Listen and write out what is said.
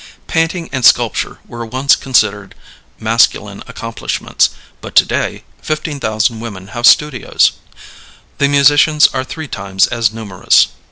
Painting and sculpture were once considered masculine accomplishments, but to day 15,000 women have studios. The musicians are three times as numerous.